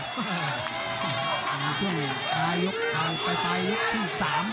อื้อมีช่วงอีกตายยกตายไปตายยกที่๓